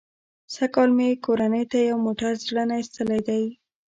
سږ کال مې کورنۍ ته یو موټر زړه نه ایستلی دی.